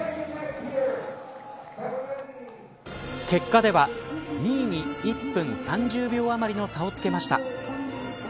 結果では２位に１分３０秒余りの差をつけました。